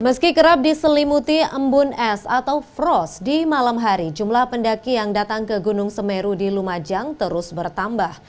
meski kerap diselimuti embun es atau frost di malam hari jumlah pendaki yang datang ke gunung semeru di lumajang terus bertambah